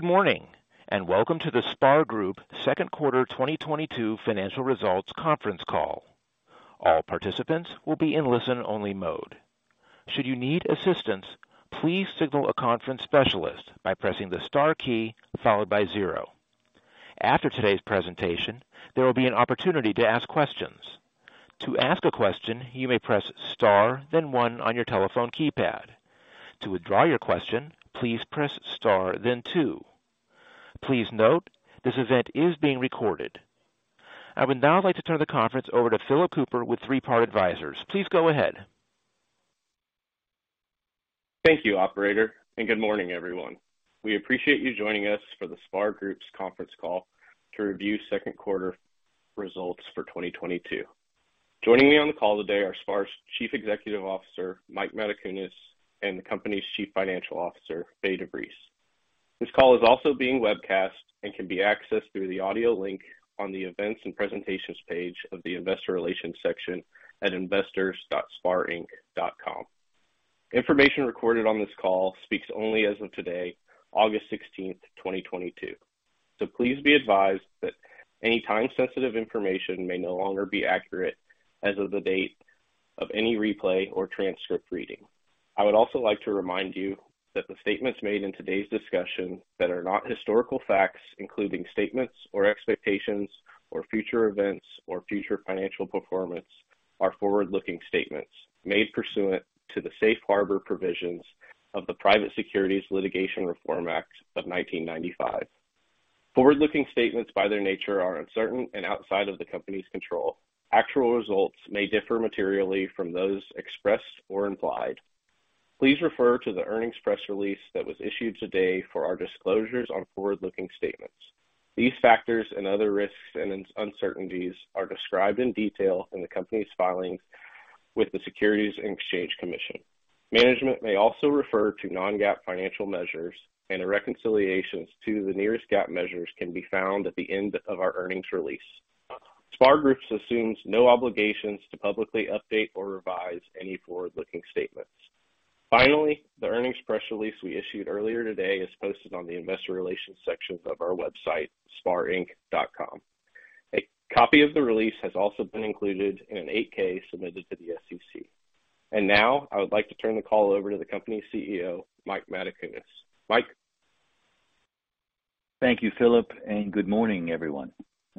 Good morning, and welcome to the SPAR Group second quarter 2022 financial results conference call. All participants will be in listen-only mode. Should you need assistance, please signal a conference specialist by pressing the star key followed by zero. After today's presentation, there will be an opportunity to ask questions. To ask a question, you may press star then one on your telephone keypad. To withdraw your question, please press star then two. Please note, this event is being recorded. I would now like to turn the conference over to Phillip Kupper with Three Part Advisors. Please go ahead. Thank you, operator, and good morning, everyone. We appreciate you joining us for the SPAR Group's conference call to review second quarter results for 2022. Joining me on the call today are SPAR's Chief Executive Officer, Mike Matacunas, and the company's Chief Financial Officer, Fay DeVriese. This call is also being webcast and can be accessed through the audio link on the Events and Presentations page of the Investor Relations section at investors.sparinc.com. Information recorded on this call speaks only as of today, August 16, 2022. Please be advised that any time-sensitive information may no longer be accurate as of the date of any replay or transcript reading. I would also like to remind you that the statements made in today's discussion that are not historical facts, including statements or expectations or future events or future financial performance, are forward-looking statements made pursuant to the Safe Harbor Provisions of the Private Securities Litigation Reform Act of 1995. Forward-looking statements, by their nature, are uncertain and outside of the company's control. Actual results may differ materially from those expressed or implied. Please refer to the earnings press release that was issued today for our disclosures on forward-looking statements. These factors and other risks and uncertainties are described in detail in the company's filings with the Securities and Exchange Commission. Management may also refer to non-GAAP financial measures, and the reconciliations to the nearest GAAP measures can be found at the end of our earnings release. SPAR Group assumes no obligations to publicly update or revise any forward-looking statements. Finally, the earnings press release we issued earlier today is posted on the Investor Relations section of our website, sparinc.com. A copy of the release has also been included in an 8-K submitted to the SEC. Now I would like to turn the call over to the company's CEO, Mike Matacunas. Mike? Thank you, Phillip, and good morning, everyone.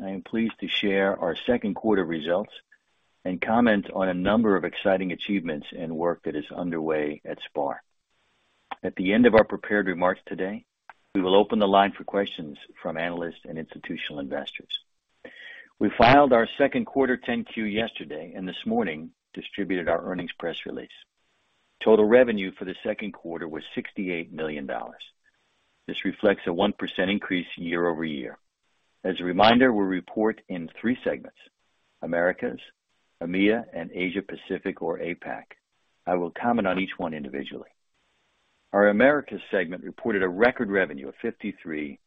I am pleased to share our second quarter results and comment on a number of exciting achievements and work that is underway at SPAR. At the end of our prepared remarks today, we will open the line for questions from analysts and institutional investors. We filed our second quarter Form 10-Q yesterday and this morning distributed our earnings press release. Total revenue for the second quarter was $68 million. This reflects a 1% increase year-over-year. As a reminder, we report in three segments: Americas, EMEA, and Asia Pacific or APAC. I will comment on each one individually. Our Americas segment reported a record revenue of $53.3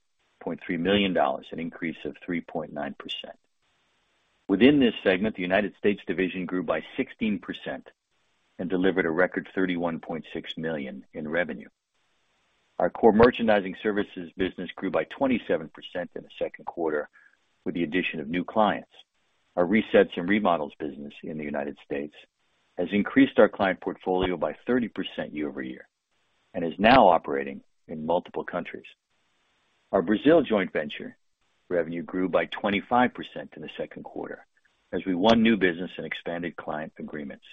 million, an increase of 3.9%. Within this segment, the United States division grew by 16% and delivered a record $31.6 million in revenue. Our core merchandising services business grew by 27% in the second quarter with the addition of new clients. Our resets and remodels business in the United States has increased our client portfolio by 30% year-over-year and is now operating in multiple countries. Our Brazil joint venture revenue grew by 25% in the second quarter as we won new business and expanded client agreements.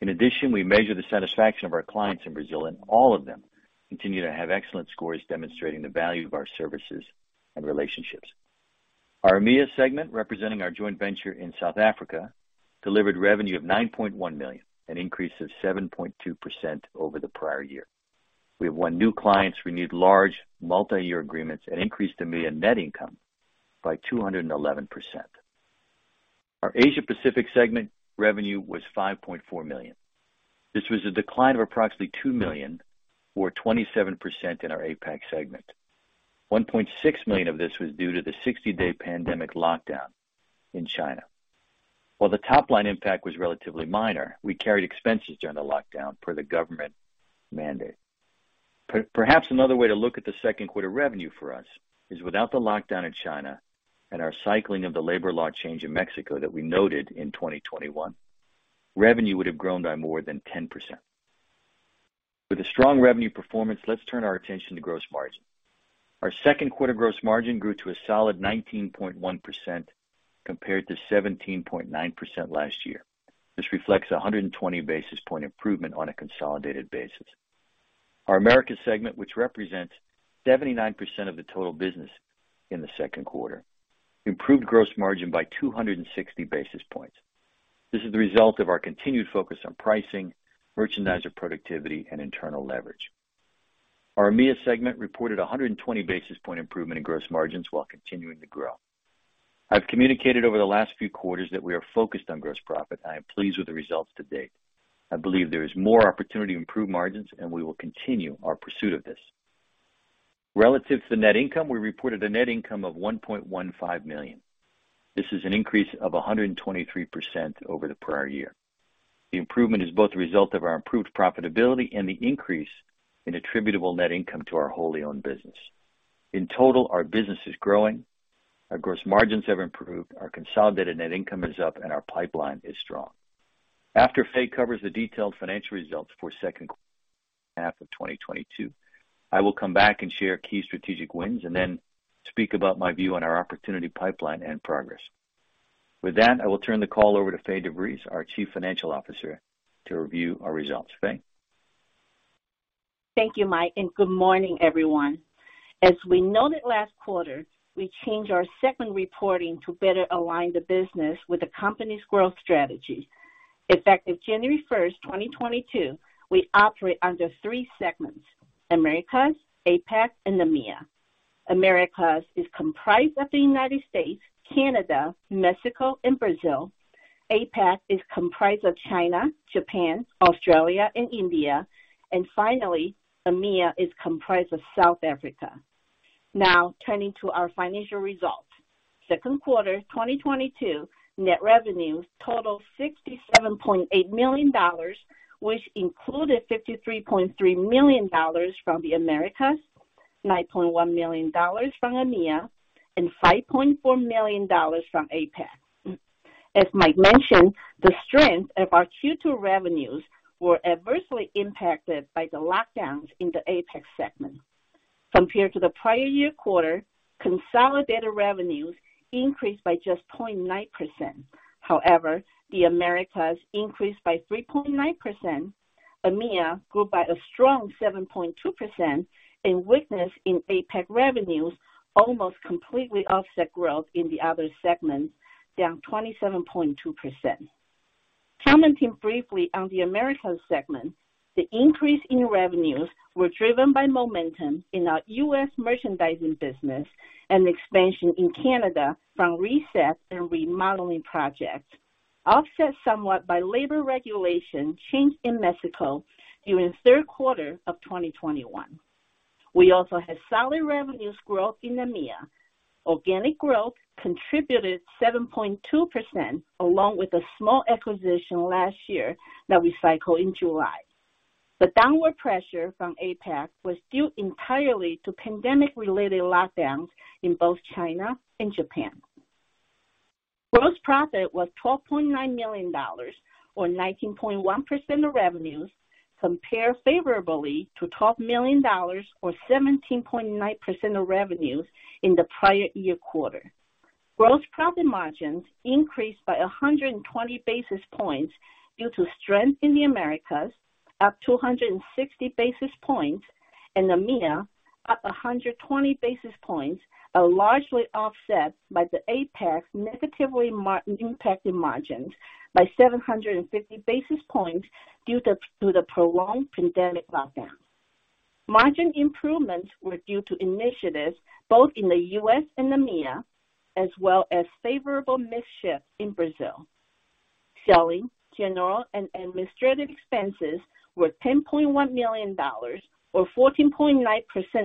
In addition, we measure the satisfaction of our clients in Brazil, and all of them continue to have excellent scores demonstrating the value of our services and relationships. Our EMEA segment, representing our joint venture in South Africa, delivered revenue of $9.1 million, an increase of 7.2% over the prior year. We have won new clients, renewed large multi-year agreements, and increased EMEA net income by 211%. Our Asia Pacific segment revenue was $5.4 million. This was a decline of approximately $2 million or 27% in our APAC segment. $1.6 million of this was due to the 60-day pandemic lockdown in China. While the top line impact was relatively minor, we carried expenses during the lockdown per the government mandate. Perhaps another way to look at the second quarter revenue for us is without the lockdown in China and our cycling of the labor law change in Mexico that we noted in 2021, revenue would have grown by more than 10%. With a strong revenue performance, let's turn our attention to gross margin. Our second quarter gross margin grew to a solid 19.1% compared to 17.9% last year. This reflects 120 basis point improvement on a consolidated basis. Our Americas segment, which represents 79% of the total business in the second quarter, improved gross margin by 260 basis points. This is the result of our continued focus on pricing, merchandiser productivity and internal leverage. Our EMEA segment reported 120 basis points improvement in gross margins while continuing to grow. I've communicated over the last few quarters that we are focused on gross profit. I am pleased with the results to date. I believe there is more opportunity to improve margins, and we will continue our pursuit of this. Relative to net income, we reported a net income of $1.15 million. This is an increase of 123% over the prior year. The improvement is both a result of our improved profitability and the increase in attributable net income to our wholly owned business. In total, our business is growing. Our gross margins have improved. Our consolidated net income is up and our pipeline is strong. After Fay DeVriese covers the detailed financial results for the second quarter of 2022, I will come back and share key strategic wins and then speak about my view on our opportunity pipeline and progress. With that, I will turn the call over to Fay DeVriese, our Chief Financial Officer, to review our results. Fay DeVriese? Thank you, Mike, and good morning, everyone. As we noted last quarter, we changed our segment reporting to better align the business with the company's growth strategy. Effective January 1, 2022, we operate under three segments Americas, APAC, and EMEA. Americas is comprised of the United States, Canada, Mexico and Brazil. APAC is comprised of China, Japan, Australia and India. Finally, EMEA is comprised of South Africa. Now turning to our financial results. Second quarter 2022 net revenues totaled $67.8 million, which included $53.3 million from the Americas, $9.1 million from EMEA, and $5.4 million from APAC. As Mike mentioned, the strength of our Q2 revenues were adversely impacted by the lockdowns in the APAC segment. Compared to the prior year quarter, consolidated revenues increased by just 0.9%. However, the Americas increased by 3.9%. EMEA grew by a strong 7.2%. Weakness in APAC revenues almost completely offset growth in the other segments, down 27.2%. Commenting briefly on the Americas segment, the increase in revenues were driven by momentum in our US merchandising business and expansion in Canada from resets and remodels projects, offset somewhat by labor regulation change in Mexico during third quarter of 2021. We also had solid revenues growth in EMEA. Organic growth contributed 7.2%, along with a small acquisition last year that we cycled in July. The downward pressure from APAC was due entirely to pandemic related lockdowns in both China and Japan. Gross profit was $12.9 million or 19.1% of revenues, compared favorably to $12 million or 17.9% of revenues in the prior year quarter. Gross profit margins increased by 120 basis points due to strength in the Americas, up 260 basis points, and EMEA up 120 basis points, are largely offset by the APAC's impacting margins by 750 basis points due to the prolonged pandemic lockdown. Margin improvements were due to initiatives both in the U.S. and EMEA, as well as favorable mix shift in Brazil. Selling, general and administrative expenses were $10.1 million, or 14.9%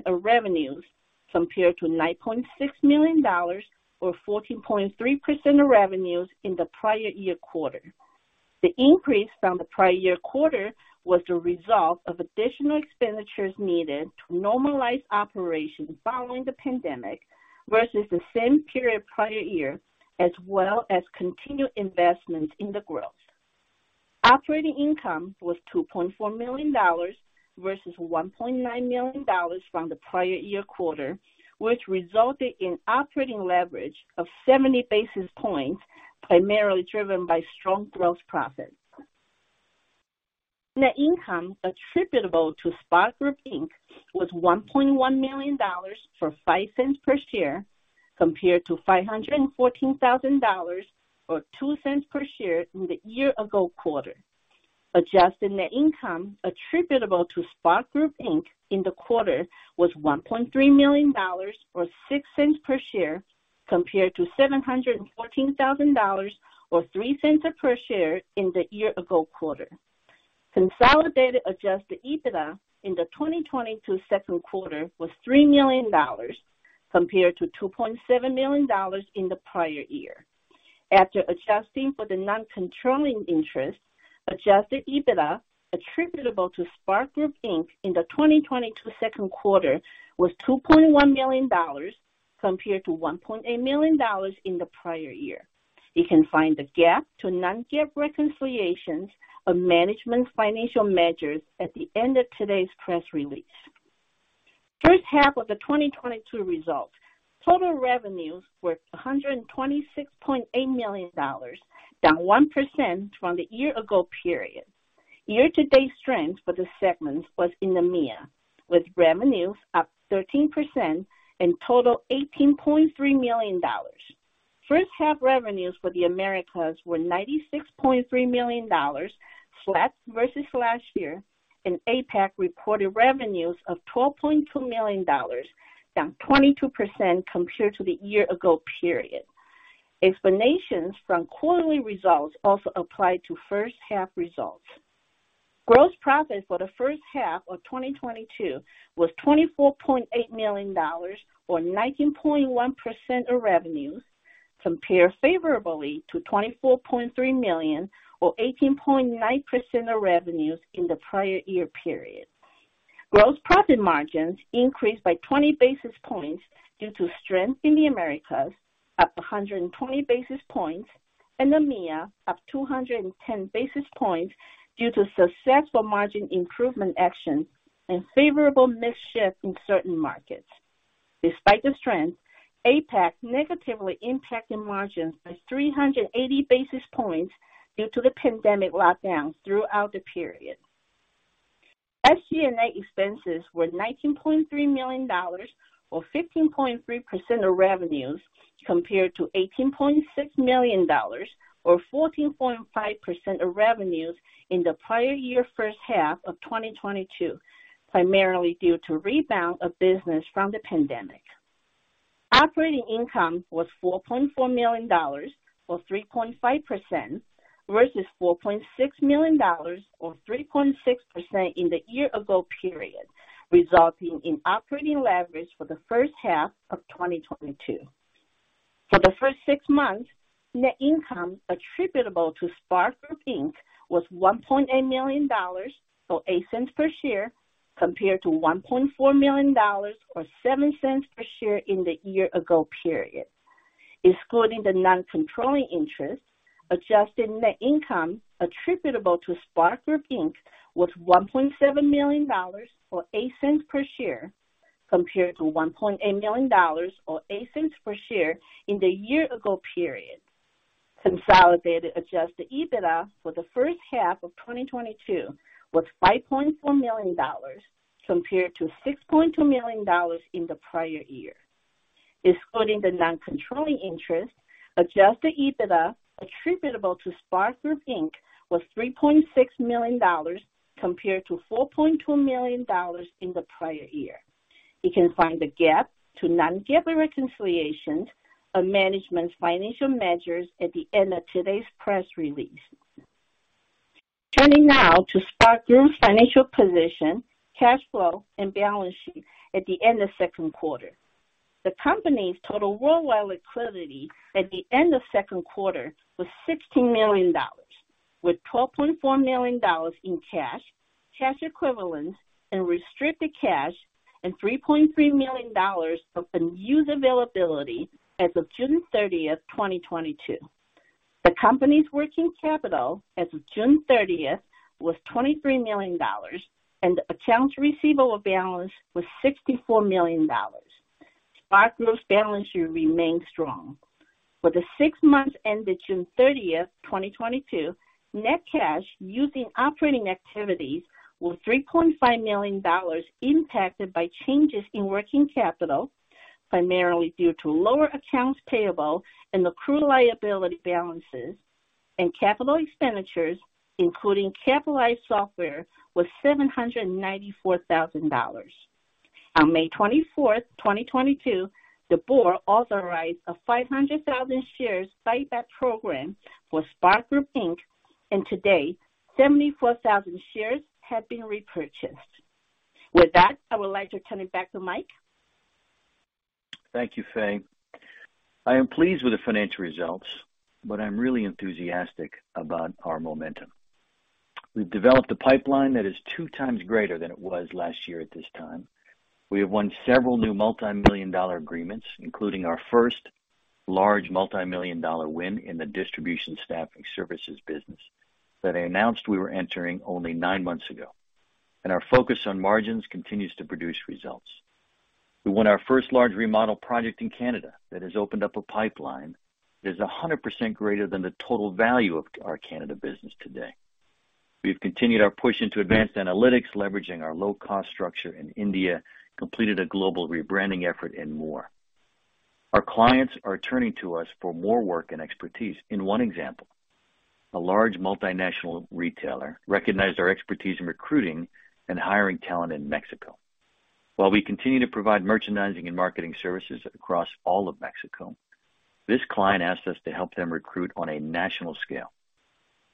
of revenues, compared to $9.6 million or 14.3% of revenues in the prior year quarter. The increase from the prior year quarter was a result of additional expenditures needed to normalize operations following the pandemic versus the same period prior year, as well as continued investment in the growth. Operating income was $2.4 million versus $1.9 million from the prior year quarter, which resulted in operating leverage of 70 basis points, primarily driven by strong gross profit. Net income attributable to SPAR Group, Inc. was $1.1 million or $0.05 per share, compared to $514,000 or $0.02 per share in the year ago quarter. Adjusted net income attributable to SPAR Group, Inc. in the quarter was $1.3 million or $0.06 per share, compared to $714,000 or $0.03 per share in the year ago quarter. Consolidated adjusted EBITDA in the 2022 second quarter was $3 million compared to $2.7 million in the prior year. After adjusting for the non-controlling interest, adjusted EBITDA attributable to SPAR Group, Inc. in the 2022 second quarter was $2.1 million compared to $1.8 million in the prior year. You can find the GAAP to non-GAAP reconciliations of management financial measures at the end of today's press release. First half of the 2022 results. Total revenues were $126.8 million, down 1% from the year ago period. Year to date strength for the segments was in EMEA, with revenues up 13% and total $18.3 million. First half revenues for the Americas were $96.3 million, flat versus last year, and APAC reported revenues of $12.2 million, down 22% compared to the year ago period. Explanations from quarterly results also apply to first half results. Gross profit for the first half of 2022 was $24.8 million or 19.1% of revenues compare favorably to $24.3 million or 18.9% of revenues in the prior year period. Gross profit margins increased by 20 basis points due to strength in the Americas up 120 basis points and EMEA up 210 basis points due to successful margin improvement action and favorable mix shift in certain markets. Despite the strength, APAC negatively impacted margins by 380 basis points due to the pandemic lockdown throughout the period. SG&A expenses were $19.3 million or 15.3% of revenues, compared to $18.6 million or 14.5% of revenues in the prior year first half of 2022, primarily due to rebound of business from the pandemic. Operating income was $4.4 million or 3.5% versus $4.6 million or 3.6% in the year ago period, resulting in operating leverage for the first half of 2022. For the first six months, net income attributable to SPAR Group, Inc. was $1.8 million, or $0.08 per share, compared to $1.4 million or $0.07 per share in the year ago period. Excluding the non-controlling interest, adjusted net income attributable to SPAR Group, Inc. was $1.7 million or $0.08 per share, compared to $1.8 million or $0.08 per share in the year ago period. Consolidated adjusted EBITDA for the first half of 2022 was $5.4 million compared to $6.2 million in the prior year. Excluding the non-controlling interest, adjusted EBITDA attributable to SPAR Group, Inc. was $3.6 million compared to $4.2 million in the prior year. You can find the GAAP to non-GAAP reconciliation of management's financial measures at the end of today's press release. Turning now to SPAR Group's financial position, cash flow, and balance sheet at the end of second quarter. The company's total worldwide liquidity at the end of second quarter was $16 million, with $12.4 million in cash equivalents, and restricted cash, and $3.3 million of unused availability as of June 30, 2022. The company's working capital as of June 30 was $23 million, and accounts receivable balance was $64 million. SPAR Group, Inc.'s balance sheet remains strong. For the six months ended June 30, 2022, net cash used in operating activities was $3.5 million, impacted by changes in working capital, primarily due to lower accounts payable and accrued liability balances, and capital expenditures, including capitalized software, was $794,000. On May 24, 2022, the board authorized a 500,000 shares buyback program for SPAR Group, Inc. Today, 74,000 shares have been repurchased. With that, I would like to turn it back to Mike. Thank you, Fay. I am pleased with the financial results, but I'm really enthusiastic about our momentum. We've developed a pipeline that is 2 times greater than it was last year at this time. We have won several new multi-million dollar agreements, including our first large multi-million dollar win in the distribution staffing services business that I announced we were entering only 9 months ago. Our focus on margins continues to produce results. We won our first large remodel project in Canada that has opened up a pipeline that is 100% greater than the total value of our Canada business today. We've continued our push into advanced analytics, leveraging our low cost structure in India, completed a global rebranding effort and more. Our clients are turning to us for more work and expertise. In one example, a large multinational retailer recognized our expertise in recruiting and hiring talent in Mexico. While we continue to provide merchandising and marketing services across all of Mexico, this client asked us to help them recruit on a national scale.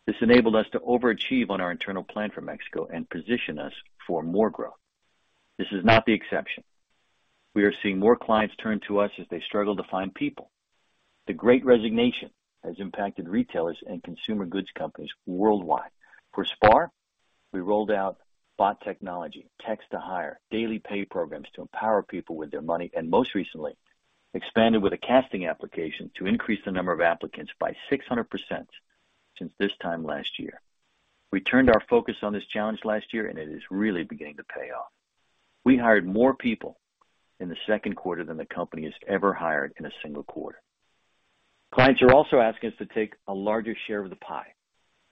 This enabled us to overachieve on our internal plan for Mexico and position us for more growth. This is not the exception. We are seeing more clients turn to us as they struggle to find people. The Great Resignation has impacted retailers and consumer goods companies worldwide. For SPAR, we rolled out bot technology, text to hire, daily pay programs to empower people with their money, and most recently expanded with a casting application to increase the number of applicants by 600% since this time last year. We turned our focus on this challenge last year, and it is really beginning to pay off. We hired more people in the second quarter than the company has ever hired in a single quarter. Clients are also asking us to take a larger share of the pie.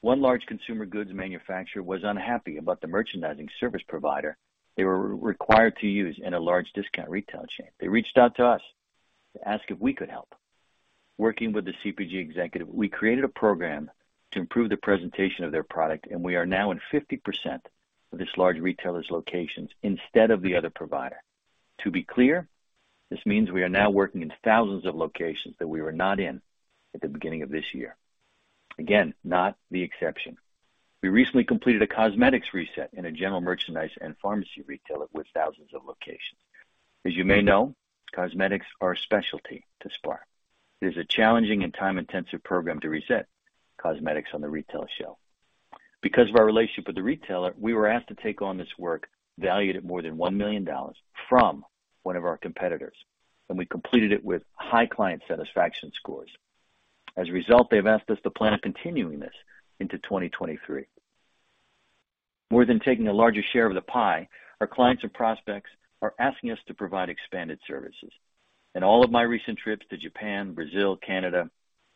One large consumer goods manufacturer was unhappy about the merchandising service provider they were required to use in a large discount retail chain. They reached out to us to ask if we could help. Working with the CPG executive, we created a program to improve the presentation of their product, and we are now in 50% of this large retailer's locations instead of the other provider. To be clear, this means we are now working in thousands of locations that we were not in at the beginning of this year. Again, not the exception. We recently completed a cosmetics reset in a general merchandise and pharmacy retailer with thousands of locations. As you may know, cosmetics are a specialty to SPAR. It is a challenging and time-intensive program to reset cosmetics on the retail shelf. Because of our relationship with the retailer, we were asked to take on this work, valued at more than $1 million from one of our competitors, and we completed it with high client satisfaction scores. As a result, they've asked us to plan on continuing this into 2023. More than taking a larger share of the pie, our clients and prospects are asking us to provide expanded services. In all of my recent trips to Japan, Brazil, Canada,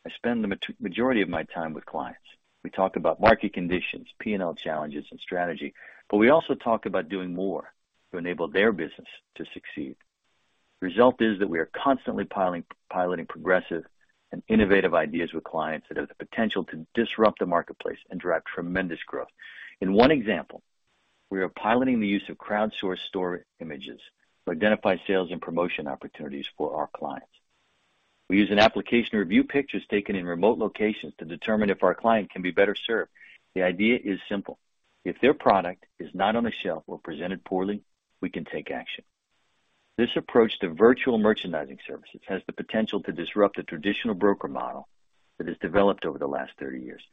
I spend the majority of my time with clients. We talk about market conditions, P&L challenges, and strategy, but we also talk about doing more to enable their business to succeed. Result is that we are constantly piloting progressive and innovative ideas with clients that have the potential to disrupt the marketplace and drive tremendous growth. In one example, we are piloting the use of crowdsourced store images to identify sales and promotion opportunities for our clients. We use an application to review pictures taken in remote locations to determine if our client can be better served. The idea is simple. If their product is not on the shelf or presented poorly, we can take action. This approach to virtual merchandising services has the potential to disrupt the traditional broker model that has developed over the last 30 years.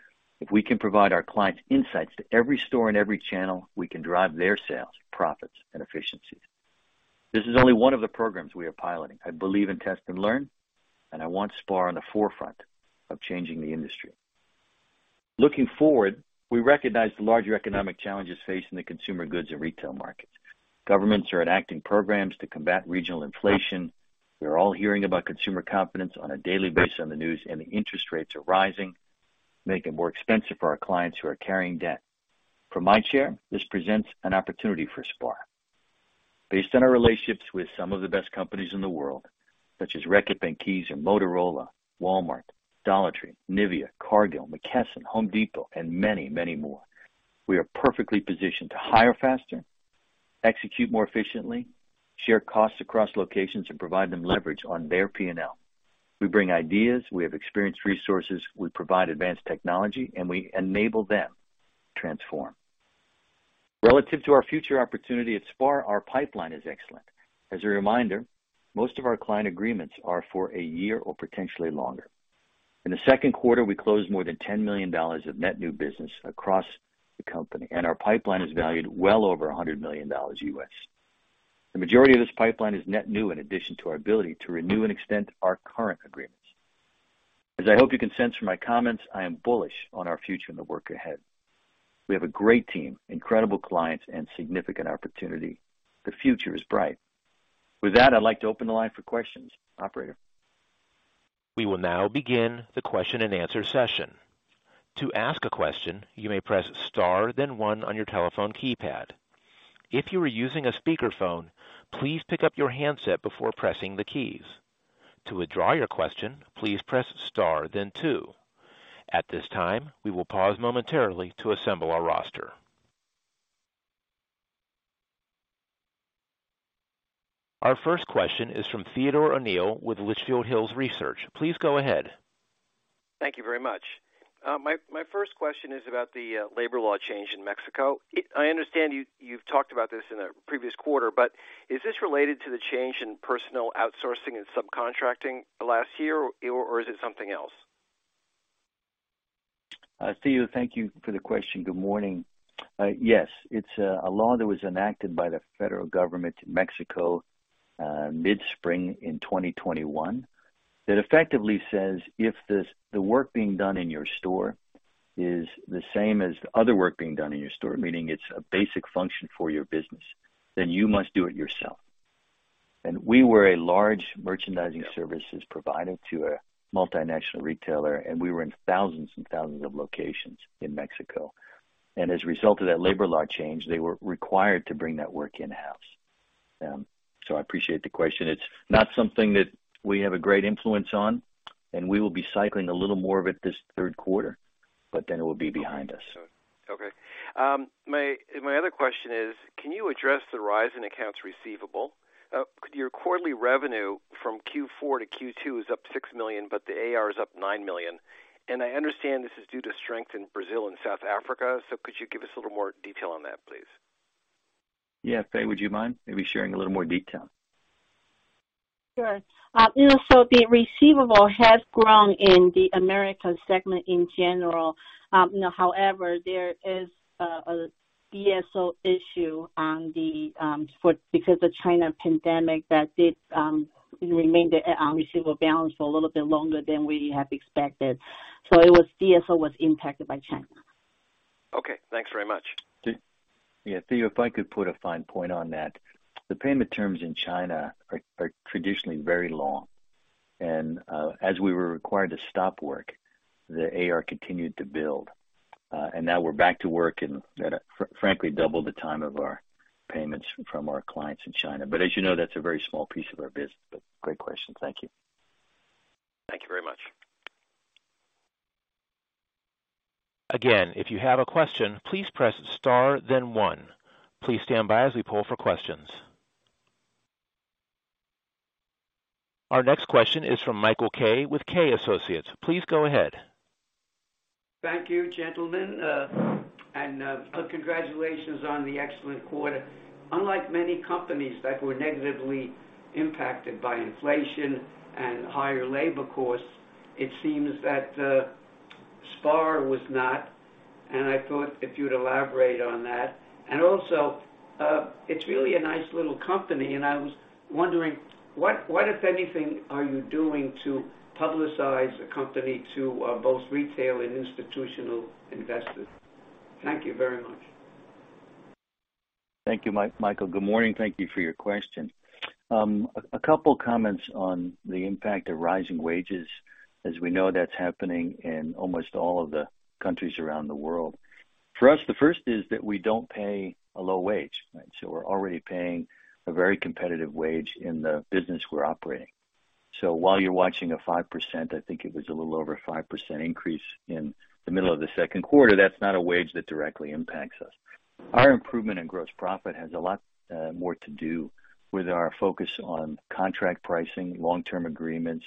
If we can provide our clients insights to every store and every channel, we can drive their sales, profits, and efficiencies. This is only one of the programs we are piloting. I believe in test and learn, and I want SPAR on the forefront of changing the industry. Looking forward, we recognize the larger economic challenges facing the consumer goods and retail markets. Governments are enacting programs to combat regional inflation. We are all hearing about consumer confidence on a daily basis on the news, and the interest rates are rising, making it more expensive for our clients who are carrying debt. From my chair, this presents an opportunity for SPAR. Based on our relationships with some of the best companies in the world, such as Reckitt Benckiser, Motorola, Walmart, Dollar Tree, Nivea, Cargill, McKesson, Home Depot, and many, many more, we are perfectly positioned to hire faster, execute more efficiently, share costs across locations, and provide them leverage on their P&L. We bring ideas, we have experienced resources, we provide advanced technology, and we enable them to transform. Relative to our future opportunity at SPAR, our pipeline is excellent. As a reminder, most of our client agreements are for a year or potentially longer. In the second quarter, we closed more than $10 million of net new business across the company, and our pipeline is valued well over $100 million. The majority of this pipeline is net new in addition to our ability to renew and extend our current agreements. As I hope you can sense from my comments, I am bullish on our future and the work ahead. We have a great team, incredible clients, and significant opportunity. The future is bright. With that, I'd like to open the line for questions. Operator? We will now begin the question and answer session. To ask a question, you may press star then one on your telephone keypad. If you are using a speakerphone, please pick up your handset before pressing the keys. To withdraw your question, please press star then two. At this time, we will pause momentarily to assemble our roster. Our first question is from Theodore O'Neill with Litchfield Hills Research. Please go ahead. Thank you very much. My first question is about the labor law change in Mexico. I understand you've talked about this in a previous quarter, but is this related to the change in personnel outsourcing and subcontracting last year, or is it something else? Theo, thank you for the question. Good morning. Yes. It's a law that was enacted by the federal government in Mexico mid-spring in 2021 that effectively says if the work being done in your store is the same as other work being done in your store, meaning it's a basic function for your business, then you must do it yourself. We were a large merchandising services provider to a multinational retailer, and we were in thousands and thousands of locations in Mexico. As a result of that labor law change, they were required to bring that work in-house. I appreciate the question. It's not something that we have a great influence on, and we will be cycling a little more of it this third quarter, but then it will be behind us. Okay. My other question is, can you address the rise in accounts receivable? Your quarterly revenue from Q4 to Q2 is up $6 million, but the AR is up $9 million. I understand this is due to strength in Brazil and South Africa. Could you give us a little more detail on that, please? Yeah. Fay, would you mind maybe sharing a little more detail? Sure. The receivable has grown in the Americas segment in general. However, there is a DSO issue because the China pandemic that did remain the receivable balance for a little bit longer than we have expected. It was DSO impacted by China. Okay. Thanks very much. Yeah. Theo, if I could put a fine point on that. The payment terms in China are traditionally very long. As we were required to stop work, the AR continued to build. Now we're back to work and at a frankly double the time of our payments from our clients in China. That's a very small piece of our business. Great question. Thank you. Thank you very much. Again, if you have a question, please press Star then one. Please stand by as we poll for questions. Our next question is from Michael Kay with Kay Associates. Please go ahead. Thank you, gentlemen. Congratulations on the excellent quarter. Unlike many companies that were negatively impacted by inflation and higher labor costs, it seems that SPAR was not. I thought if you'd elaborate on that. It's really a nice little company, and I was wondering what, if anything, are you doing to publicize the company to both retail and institutional investors? Thank you very much. Thank you, Michael. Good morning. Thank you for your question. A couple of comments on the impact of rising wages. As we know, that's happening in almost all of the countries around the world. For us, the first is that we don't pay a low wage. We're already paying a very competitive wage in the business we're operating. While you're watching a 5%, I think it was a little over 5% increase in the middle of the second quarter, that's not a wage that directly impacts us. Our improvement in gross profit has a lot more to do with our focus on contract pricing, long-term agreements,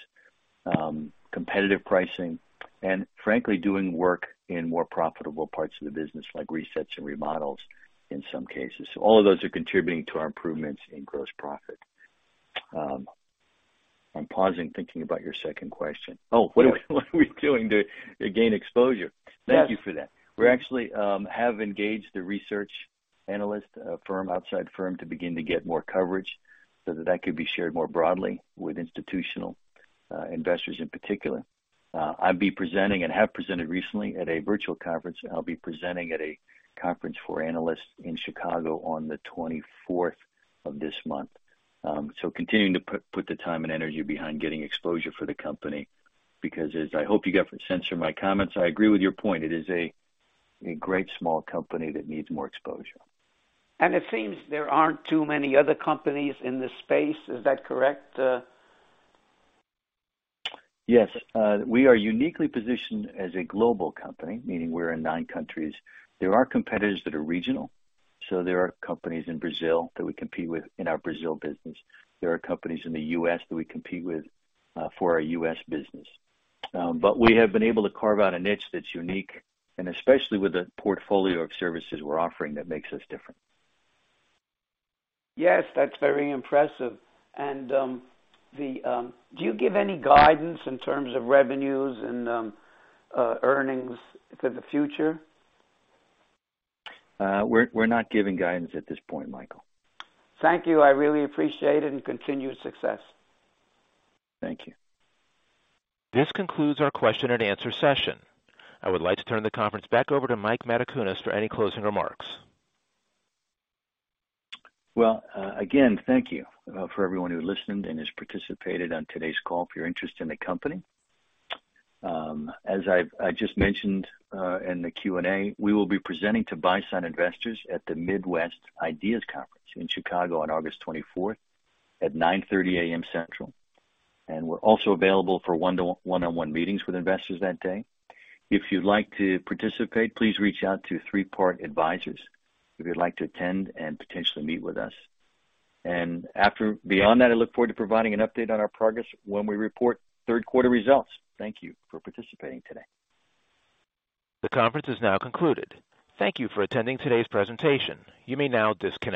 competitive pricing, and frankly, doing work in more profitable parts of the business, like resets and remodels in some cases. All of those are contributing to our improvements in gross profit. I'm pausing, thinking about your second question. What are we doing to gain exposure? Thank you for that. We actually have engaged a research analyst firm, outside firm, to begin to get more coverage so that that could be shared more broadly with institutional investors in particular. I'll be presenting and have presented recently at a virtual conference. I'll be presenting at a conference for analysts in Chicago on the twenty-fourth of this month. Continuing to put the time and energy behind getting exposure for the company because as I hope you get the sense from my comments, I agree with your point. It is a great small company that needs more exposure. It seems there aren't too many other companies in this space. Is that correct? Yes. We are uniquely positioned as a global company, meaning we're in nine countries. There are competitors that are regional. There are companies in Brazil that we compete with in our Brazil business. There are companies in the U.S. that we compete with for our U.S. business. We have been able to carve out a niche that's unique and especially with the portfolio of services we're offering that makes us different. Yes, that's very impressive. Do you give any guidance in terms of revenues and earnings for the future? We're not giving guidance at this point, Michael. Thank you. I really appreciate it, and continued success. Thank you. This concludes our question and answer session. I would like to turn the conference back over to Mike Matacunas for any closing remarks. Again, thank you for everyone who listened and has participated on today's call for your interest in the company. As I've just mentioned in the Q&A, we will be presenting to buy-side investors at the Midwest IDEAS Investor Conference in Chicago on August twenty-fourth at 9:30 A.M. Central. We're also available for one-on-one meetings with investors that day. If you'd like to participate, please reach out to Three Part Advisors. If you'd like to attend and potentially meet with us. Beyond that, I look forward to providing an update on our progress when we report third quarter results. Thank you for participating today. The conference is now concluded. Thank you for attending today's presentation. You may now disconnect.